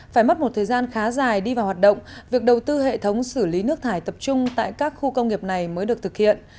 phải mất một thời gian khá dài đi vào hoạt động việc đầu tư hệ thống xử lý nước thải tập trung tại các khu công nghiệp này mới được thực hiện